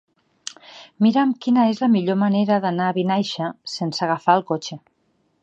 Mira'm quina és la millor manera d'anar a Vinaixa sense agafar el cotxe.